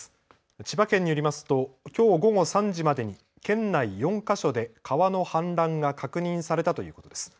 千葉県によりますときょう午後３時までに県内４か所で川の氾濫が確認されたということです。